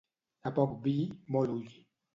A poc vi, molt ull.